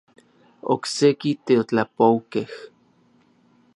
Okseki teotlapoukej.